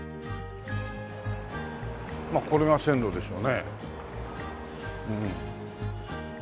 これが線路でしょうね。